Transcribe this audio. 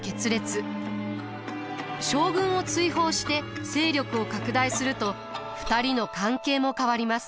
将軍を追放して勢力を拡大すると２人の関係も変わります。